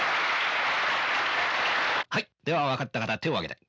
はいでは分かった方手を挙げて。